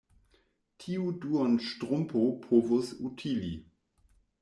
Tiu duonŝtrumpo povus utili.